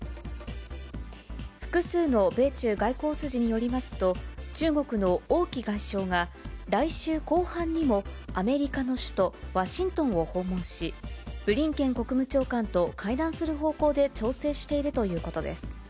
複数の米中外交筋によりますと、中国の王毅外相が、来週後半にもアメリカの首都ワシントンを訪問し、ブリンケン国務長官と会談する方向で調整しているということです。